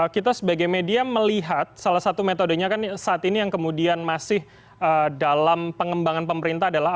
kita sebagai media melihat salah satu metode yang kita lakukan adalah